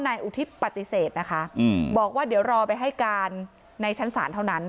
นายอุทิศปฏิเสธนะคะบอกว่าเดี๋ยวรอไปให้การในชั้นศาลเท่านั้น